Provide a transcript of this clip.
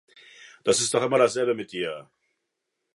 Das ist doch immer das selbe mit dir